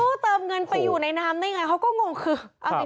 ตู้เติมเงินไปอยู่ในน้ำได้ยังไงเขาก็งงคือ